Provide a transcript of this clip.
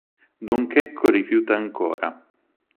Don Checco rifiuta ancora.